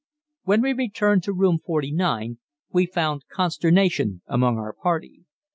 When we returned to Room 49 we found consternation among our party.